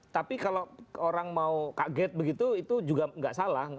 tapi kalau orang mau kaget begitu itu juga nggak salah